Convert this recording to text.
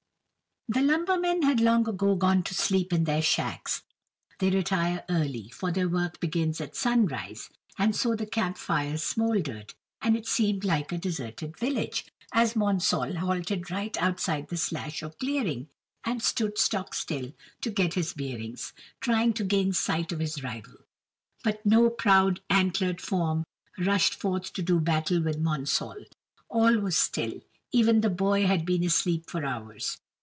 The lumbermen had long ago gone to sleep in their shacks; they retire early, for their work begins at sunrise, and so the camp fires smoldered, and it seemed like a deserted village, as Monsall halted right outside the slash or clearing, and stood stock still to get his bearings, trying to gain sight of his rival. But no proud, antlered form rushed forth to do battle with Monsall. All was still; even the boy had been asleep for hours.